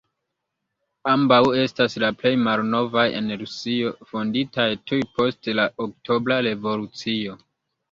Ambaŭ estas la plej malnovaj en Rusio, fonditaj tuj post la Oktobra revolucio.